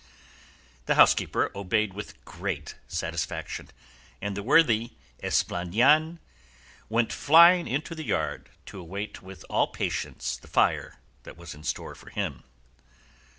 The housekeeper obeyed with great satisfaction, and the worthy "Esplandian" went flying into the yard to await with all patience the fire that was in store for him.